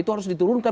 itu harus diturunkan